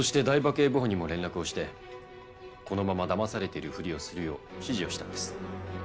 警部補にも連絡をしてこのままだまされているふりをするよう指示をしたんです。